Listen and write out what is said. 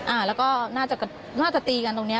อ่าแล้วก็น่าจะน่าจะตีกันตรงนี้